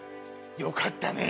よかったね。